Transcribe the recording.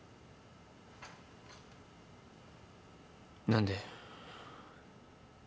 何で。